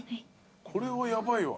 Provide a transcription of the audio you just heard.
これはヤバいわ。